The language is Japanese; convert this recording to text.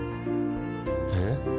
えっ？